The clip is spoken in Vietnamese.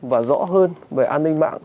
và rõ hơn về an ninh mạng